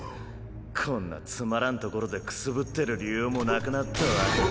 こんなつまらん所でくすぶってる理由もなくなったわけだ。